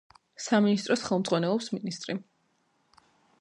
სამინისტროს ხელმძღვანელობს მინისტრი.